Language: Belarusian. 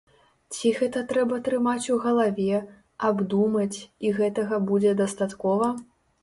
Ці гэта трэба трымаць у галаве, абдумаць, і гэтага будзе дастаткова?